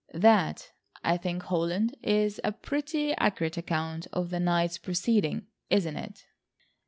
That, I think, Holland, is a pretty accurate account of the night's proceeding, isn't it?"